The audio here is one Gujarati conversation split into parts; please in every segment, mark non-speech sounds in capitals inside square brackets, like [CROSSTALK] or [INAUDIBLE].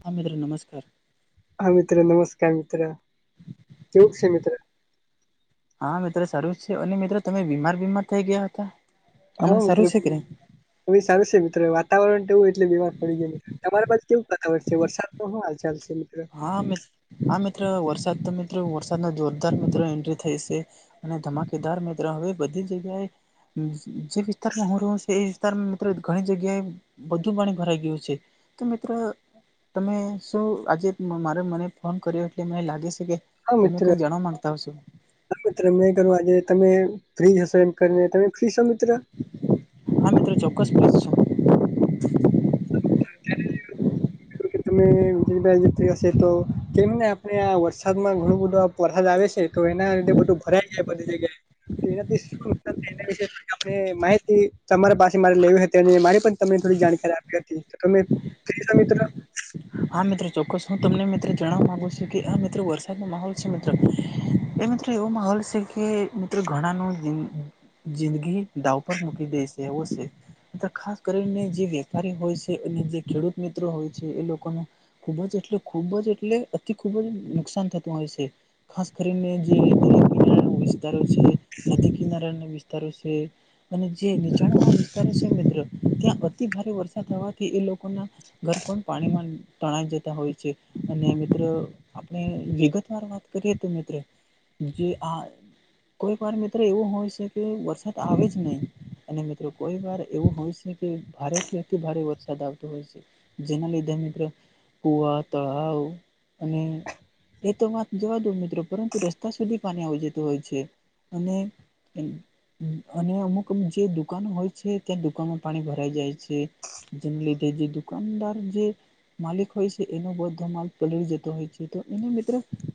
હા મિત્ર નમસ્કાર હા મિત્ર નમસ્કાર મિત્ર કેવું છે મિત્ર હા મિત્ર સારું છે અને મિત્રો તમે બીમાર બીમાર થઈ ગયા હતા હા મિત્ર એ સારું છે મિત્ર વાતાવરણ તોવું એટલે બીમાર પડી ગેલો તમારા [UNINTELLIGIBLE] છે વરસાદ નુ હું હાલ ચાલ છે મિત્ર હા હા મિત્ર વરસાદ તો મિત્ર વરસાદના જોરદાર મિત્ર એન્ટ્રી થઈ છે અને ધમાકેદાર મિત્ર હવે બધી જ જગ્યાએ જે વિસ્તારમાં હું રહું વિસ્તારમાં મિત ઘણી જગ્યાએ બધું પાણી ભરાઈ ગયું છે તો મિત્ર તમે શું આજે મારે મને ફોન કર્યો મને લાગે છે કે તમે કઈ જાણવા માંગતા હશો હા મિત્ર મેં કરું આજે તમે ફ્રીજ હશો એમ કરીને તમે ફ્રીશો મિત્ર આ મિત્રો ચોક્કસ [UNINTELLIGIBLE] [INAUDIBLE] [INAUDIBLE] તો એના લીધે બધું ભરાય જાય બધી જગ્યાએ તો એનાથી શું માહિતી તમારા પાસે મારે લેવી હતી અને મારી પણ તમને થોડી જાણકારી આપી હતી તો તમે ફ્રી શો મિત્ર હા મિત્ર ચોક્કસ હું તમને મિત્ર જણવા માંગુ છું કે આ મિત્ર વરસાદ નો માહોલ છે મિત્ર એ એવો માહોલ છે કે મિત્ર ઘણા ની જી જિંદગી દાવ પર મુકી દેસે એવોશે ખાસ કરીને જે વેપારી હોય છે અને જે ખેડૂત મિત્રો હોય છે એ લોકો લોકો ખૂબ જ એટલે ખૂબ જ એટલે અતિ ખૂબ જ નુકસાન થતું હોય છે ખાસ કરીને [INAUDIBLE] નદી કિનારા ના વિસ્તારો છે અને જે નીચાણ વિસ્તાર છે મિત્રો ત્યાં અતિ ભારે વરસાદ થવાથી એ લોકોના ઘર પણ પાણી માં તણાઈ જતા હોય છે અને મિત્રો આપણે વિગત વાર વાત કરીએ તો મિત્ર જે આ કોઈ વાર મિત્ર એવું હોય છે કે વરસાદ આવે જ નઈ અને મિત્ર કોઈ વાર એવું હોય છે કે ભારેથી અતિ ભારે વરસાદ આવતો હોય છે જે નાલીધે મિત્ર કુવા તળાવ અને એ તો વાત જવા દો મિત્ર‌ પરંતુ રસ્તા સુધી પાણી આવી જતું હોય છે અને અને અમુક જે દુકાનો હોય છે ત્યાં દુકાનોમાં પાણી ભરાઈ જાય છે જેમ લીધે જે દુકાનદાર જે માલિક હોય છે એનો બધો માલ પલળી જતો હોય છે તો એને મિત્ર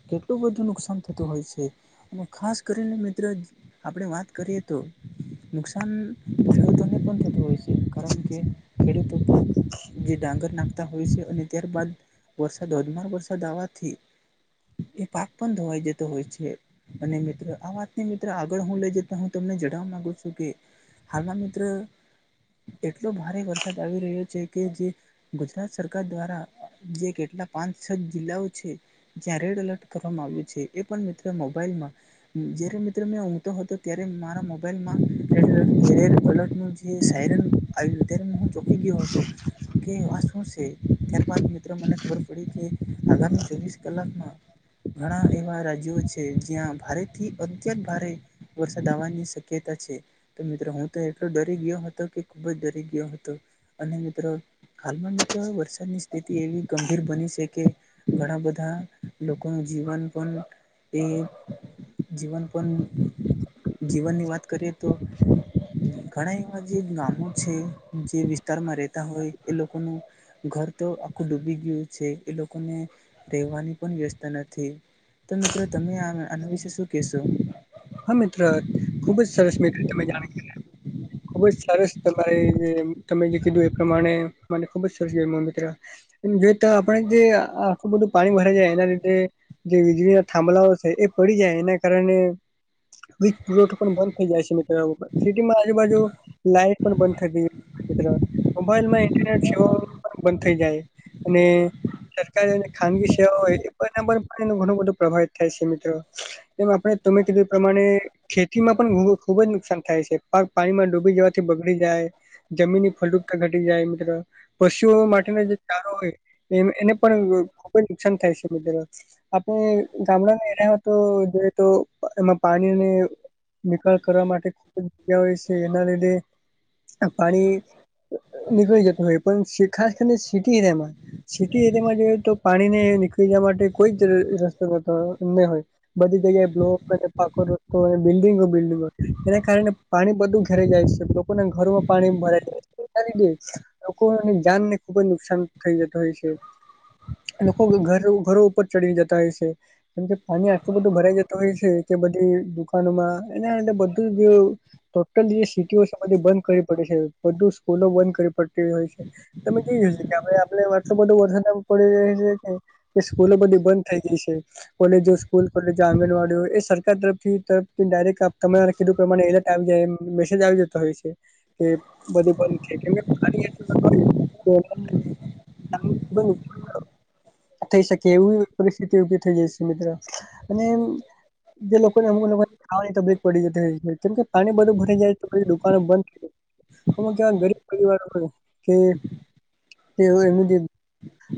કેટલું બધું નુકસાન થતું હોય છે ખાસ કરીને મિત્ર આપણે વાત કરીએ તો નુકસાન ખેડૂતોને પણ થતું હોય છે કારણ કે ખેડૂતો પાક જે ડાંગર નાખતા હોય છે અને ત્યારબાદ વરસાદ ધોધમાર વરસાદ આવવાથી એ પાક પણ ધોવાઈ જતો હોય છે અને મિત્રો આ વાતને મિત્ર આગળ હું લઈ જતા હું તમને જણાવા માંગુ છું કે હાલમાં મિત્ર એટલો ભારે વરસાદ આવી રહ્યો છે કે જે ગુજરાત સરકાર દ્વારા જે કેટલા પાંચ છ જ જિલ્લાઓ છે જ્યાં રેડ એલર્ટ કરવામાં આવ્યું છે એ પન મિત્ર મોબાઈલ માં જય્યારે મિત્રો મેં ઊઘતો હતો ત્યારે મારા મોબાઈલમાંલટ જે સાયરન આવ્યું ત્યારે હું ચોખકી ગયો હતો કે વાસ્ત ત્યારબાદ મિત્રો મને ખબર પડી કે આગામી ચોવીસ કલાકમાં ઘણા એવા રાજ્યો છે જ્યાં ભારેથી અત્યંત ભારે વરસાદાવાની શક્યતા છે. તો મિત્રો હું તો એટલો ડરી ગયો હતો કે ખુબ જ ડરી ગયો હતો અને મિત્રો હાલમાં તમ બરષસાની સ્થિતિ એવી ગંભીર બની છે કે ઘણા બધા લોકોનું જીવન પણ એ જીવન પણ જીવનની વાત કરીએ તો [UNINTELLIGIBLE] ઘણા એવા જે ગામો છે જે વિસ્તારમાં રહેતા હોય એ લોકોનું ઘર તો આખું ડૂબી ગયું છે એ લોકોને રહેેવાની પણ વ્યવસ્થા નથી તો મિત્રો તમે આ આના વિશે શું કહેશો હા મિત્ર ખુબજ સરસ મ તમે ખુબ સરસ તમારે જે તમે જે કીધું એ પ્રમાણે મને ખુબ જ સરસ મ મિત્ર એ જોઈ તો આપણે જે આખું બધું પાણી ભરા જાય એના લીધે જે વીજળીના થાંભલાઓ છે એ પડી જાય એના કારણે વ પુઠો પણ બંધ થઇ જાય છે મિત્રર સિટીમાં આજુબાજુ લાઈટ પણ બંધ થઈ ગઈ મિત્રો મોબાઈલ માં ઇન્ટરનેટ સેવા પણ બંધ થઈ જાય અને સરકારી અને ખાનગી સેવા હોય એ એ ઘણું બધું પ્રભાવ અઠ મીટર એમ આપડે તમે કીધું પ્રમાણે ખેતીમાં પણ ખુબ જ નુકસાન થાય છે પાક પાણીમાં ડૂબી જવાથી બગડી જાય જમીનની ફલડુપતા ઘટી જાય મિત્રો પશુઓ માટેના સારો હોય એને પણ ખુબ જ નુકસાન થાય છે. [UNINTELLIGIBLE] આપણે ગામડાના એરિયામાં તો જોઈએ તો એમાં પાણીને નિકાલ કરવા માટે ખૂબ જ જગ્યા હોય છે એના લીધે પાણી નીકળી જતું હોય પણ ખાસ કરીને સિટી એરિયામાં સિટી એરિયામાં જો તો પાણીને નીકળી જવા માટે કોઈ જ રસ્તો કરતો નહી હોય બધી જગ્યાએ બ્લો પાકો રસ્તો બિલ્ડિંગો બિલ્ડંગ એના કારણે પાણી બધું ઘેરાઈ જાય છે લોકોના ઘરોમાં પાણી ભરાય લ લોકોની જાનને ખુબ જ નુકસાન થઈ જતું હોય છે. લોકો ઘર ઘરો ઉપર ચડી જતા હોય છે કેમ કે પાણી આટલું બધું ભરાઈ જતું હોય છે. કે બધી દુકાનોમાં એના બધું ટોટલ જે સીટીઓ છે બધી બંધ કરી પડે છે બધું સ્કૂલો બંધ કરી પડતી હોય છે. તમે જેઈ જો કે આપ આપડે આટ બધું વરસામાં પડી રહ છે કે એ સ્કૂલો બધી બંધ થઇ ગઈ છે કોલેજો સ્કૂલ કોલેજો આંગણવાડીઓ એ સર તરફથી ડાયરેક ત કીધું એમા એ આવી જાય મેસેજ આવી જતો હોય છે. કે બધીંધેણી તો [UNINTELLIGIBLE] થઈ શકે એવી પરિસ્થિતિ ઉભી થઈ જાય છે મિત્રો અને જે લોકો ને અમ લોકો ખાવાની તબલીફ પડી જતી કેમ કે પાણી બધું ભરા જાય તો પછી દુકાનો બંધ થાય અમુ કેવા ગરીબ પરિવારો હોય કે તે એનું જે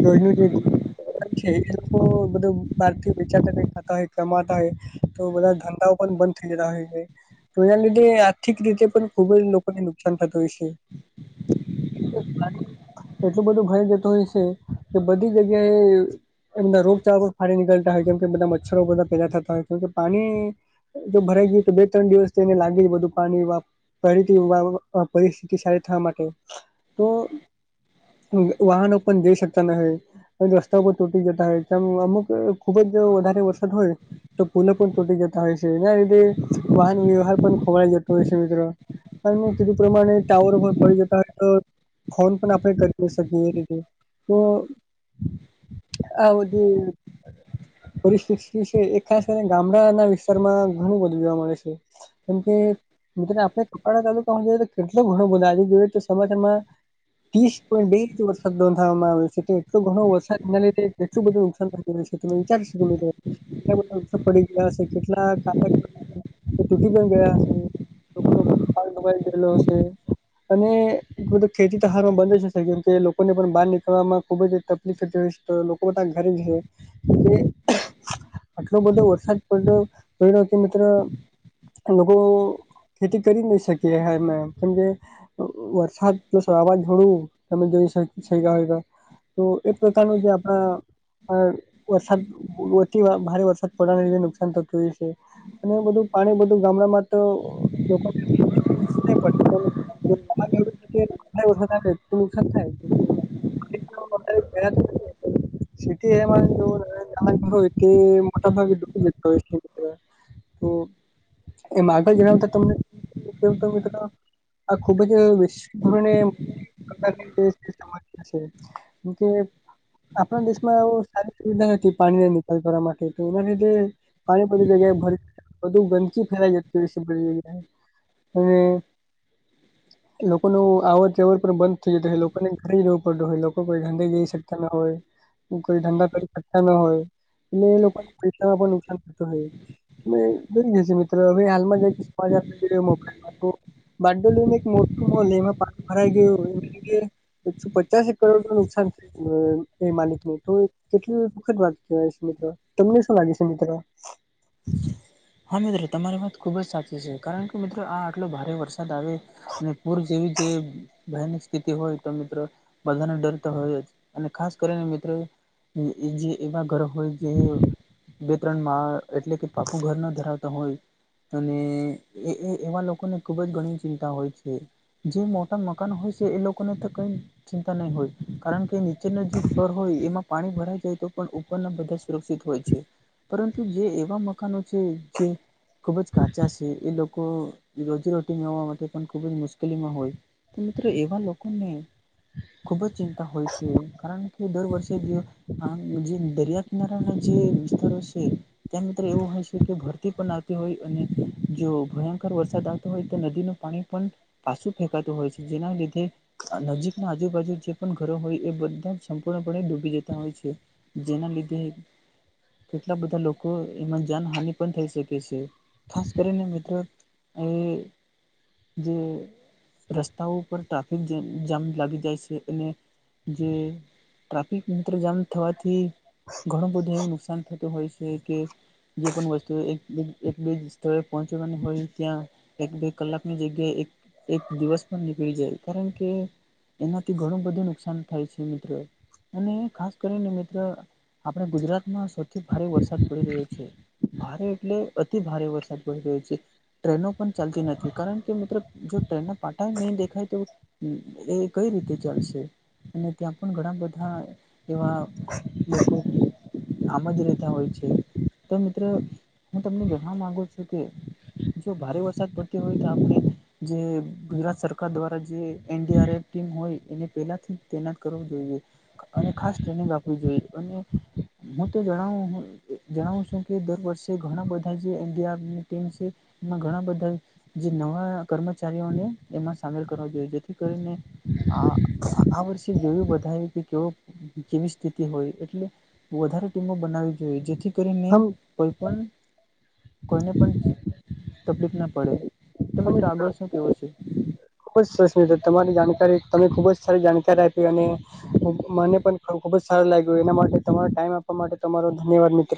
[UNINTELLIGIBLE] એ લોકો બધું બારથી વિચાતા ખાતા હોય કમાતા હોય તો બધા ધંધાઓ પણ બંધ થઈ જતા હોય છે તો એના લીધે આર્થિક રીતે પણ ખુબ જ લોકોને નુકસાન થતું હોય છે. એટલું બધું ઘણી જતું હોય છે કે બધી જગ્યા એ એ બધા રોગચળો ફરી નીળતા હોય કે બધા મચ્છરો બધા પે થતા હોય પાણી જો ભરાઈ ગય તો બે ત્રણ દિવસ તેને લાગે જ બધું પાણી પરિસ્થિતિ સારી થવા માટે તો વાહનો પણ જઈ શકતા ન હ. રસ્તા ઉપર તૂટી જતા હોય તેમમ અમુક ખુબ જ વધારે વરસાદ હોય તો પુલો પણ તૂટી જતા હોય છે એના લીધે વાહન વ્યવહાર પણ ખવાઈ જતો હોય છે મિત્રો અને કેધ પ્રમાણે ટાવર પડી જ ફોન પણ આપણે કરીને શકીએ એ રીતે તો આવધ શિકષ છે એક ખાસ કરીને ગામડાના વિસ્તારમાં ઘણું બધું જોવા મળે છે. કેમ કે મિત્રો આપણે કપાડા તાલુકામાં જોઈએ તો કેટલો ઘણો બધો આજે જોઈએ તો સમાચારમાં ત્રીસ પોઈન્ટ બેસ વર્ષ વરસાદ નોંધવામાં આવે્યો છે તો એટલો ઘો વરસાદના લીધ એટલ બધું નુકસાન થુંય છેલોમીટર પડી ગયા કેટલા તૂટી પણ ગયા લોકો બાઈ ગલોશે અને બધ ખેતી ત હારમાં બંધ જશે કેમ કે લોકોને પણ બહાર નીકળવામાં ખુબ જ હો તો લોકો બધા ઘરે જ છે. આટલો બધો વરસાદ પડ્યો પડ્યો કે મિત્ર લોકો ખેતી કરી નહી શકીએ હ એ પણ વરસાદ જો સવાવાન જોડું તમે જોઈ હોય. તો એક પ્રકારનો જે આપડા અ વરસાદ વતીઆ ભારે વરસાદ પડવાને લીધે નુકસાન થતું હોય છે અને બધું પાણી બધું ગામડામાં તો લોકો થાય. થી એ હો તે મોટાભાગે ડુતો તો એમ આગળ જણતા તમનેવું મ્ર આ ખુબ જ વિ ધોરણે છેમ કે આપણા દેશમાં એ સારી સુવિધા નથી. પાણીની કરવા માટે તો એના લીધે પાણીપતી જગ્યાએ ભરી બધું ગંદકી ફેલાઈ જતી હોયશે જગ્યા અને લોકો ન આવર ચવર પણ બંધ થઈ જતોું હોય લોકોને ઘરે જવું પડતું હોય લોકો કોઈ ગાંધે જઈ શકતા ના હોય. કોઈ ધંધા કર ખછા ના હોય એટલે એ લોકોને પૈસામાં પણ નુકસાન થતું હોય. દરી જશે મિત્ર હવે હાલમાં જાય કે સમાચાર મોાઈલમાં તો બારડોલી નું એક મોટું મોલ એમાં પાણી ભરાઈ ગયું એકસો પચાસ એક કરોડ નું નુકસાન થય એ માલિકને તો કેટલી દુઃખદ વાંધ કવા મિત્ર તમને શું લાગી છે મિત્ર? હા મિત્રો તમારી વાત ખુબ જ સાચી છે કારણ કે મિત્રો આ આટલો ભારે વરષ આવે અને પૂર જેવી જે ભયની સ્થિતિ હોય તો મિત્રો બધાને ડર તો હોય જ અને ખાસ કરીને મિત્રો એ જે એવા ઘર હોય જે બે ત્રણ મા એટલે કે પાકું ઘર ન ધરાવતા હોય અને એ એવા લોકોને ખૂબ જ ઘણી ચિંતા હોય છે. જે મોટા મકાન હોય છે એ લોકોને તો કઈ ચિંતા નહીં હોય કારણ કે ચનો જે ફ્લોર હોય એમાં પાણી ભરાઈ જાય તો પણ ઉપરના બધા સુરક્ષિત હોય છે પરંતુ જે એવા મકાનો છે જે ખૂબ જ કાચા છે એ લોકો રોજીરોટી મેવવા માટે પણ ખૂબ જ મુશ્કે મુલીમાં હોય તો મિત્રો એવા લોકોને ખુબ જ ચિંતા હોય છે કારણ કે દર વર્ષે જે હ જે દરિયા કિનારાના જે વિસ્તારો છે ત્યાં મ એવું હોય છે કે ભ પણ આવતી હોય અને જો ભયંકર વરસાદ આવતો હોય તો નદીનું પાણી પણ પાશું ફેંકતો હોય છે જેના લીધે અ નજીકના આજુબાજુ જે પણ ઘરો હોય એ બધા જ સંપૂર્ણપણે ડૂબી જતા હોય છે. જેના લીધે કેટલા બધા લોકો એમાં જાનહાની પન થઈ શકે સે ખાસ કરીને મિત્ર એ જે રસ્તાઓ પર ટ્રાફિક જેમ જામ લાગી જાય સે અને જે ટ્રાફિક મિત્ર જામ થવાથી ઘણું બધું એવું નુકસાન થતું હોય સે કે જે પન વસ્ત તો એક એક એક બેજ સ્થળે પહોંચવાની હોય ત્યાં એક બે કલાકની જગ્યાએ એક એક દિવસ પન નીકળી જાય કારણ કે એનાથી ઘણું બધું નુકસાન થાય છે મિત્ર અને ખાસ કરીને મિત્ર આપણે ગુજરાતમાં સૌથી ભારે વરસાદ પડી રહ્યો છે ભારે એટલે અતિ ભારે વરસાદ પડી રહ્યો છે. ટ્રેનો પન ચાલતી નથી કારણ કે મિત્ર જો ટ્રેનના પાટાય નઇ દેખાય તો હ એ કઈ રીતે ચાલશે અને ત્યાં પણ ઘણા બધા એવા લોકો આમજ રેતા હોય છે. મિત્ર હું તમને જણાવા માંગુ છુ, કે જો ભારે વરસાદ પડતી હોય તો આપણે જે ગુજરાત સરકાર દ્વારા જે એનડીઆરએફ ટીમ હોય. એને પેલાથી જ તૈનાત કરવો જોઈએ, અને ખાસ ટ્રેનિંગ આપવી જોઈએ અને હું તો જણાવું હું જણાવું સુ હુંકે દર વર્ષે ઘણા બધા જે એનડીઆરની ટીમ સે એમાં ઘણા બધા જે નવા કર્મચારીઓને એમાં સામેલ કરવા જોઈએ જેથી કરીને આ આ વર્ષે જોયું બધાએ કે કેવોક કેવી સ્થિતિ હોય એટલે વધારે ટીમો બનાવી જોઈએ જેથી કરીને કોઈ પણ કોઈને પણ તકલીફ ન પડે તમે ત્રાગળ શું કેવો છે? ખબ જ સરસમિત તમારી જાણકારી તમે ખુબ જ સારી જાણકારી આયપી અને મને પન હ ખુબ જ સારું લાયગુ એના માટે તમારો ટાઈમ આપવા માટે તમારો ધન્યવાદ મિત્ર